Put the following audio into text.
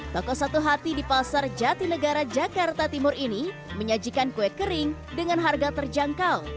toko satu hati di pasar jatinegara jakarta timur ini menyajikan kue kering dengan harga terjangkau